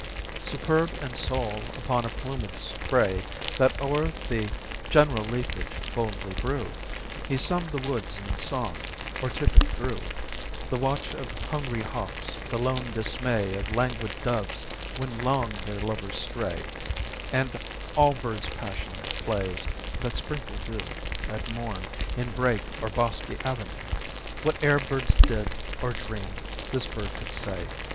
Superb and sole, upon a plumed spray That o'er the general leafage boldly grew, He summ'd the woods in song; or typic drew The watch of hungry hawks, the lone dismay Of languid doves when long their lovers stray, And all birds' passion plays that sprinkle dew At morn in brake or bosky avenue. Whate'er birds did or dreamed, this bird could say.